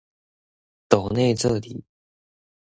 抖內這裡